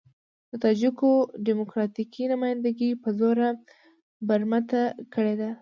د تاجکو ډيموکراتيکه نمايندګي په زور برمته کړې ده.